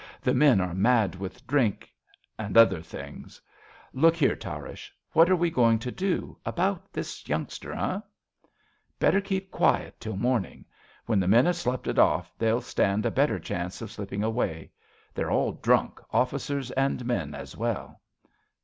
The men are mad with drink, and other things. Look here, Tarrasch, what are W( going to do About this youngster, eh ? Tarrasch. Better keep quie Till morning. When the men have slep it off They'll stand a better chance of slipping away. They're all drunk, officers and men ai well.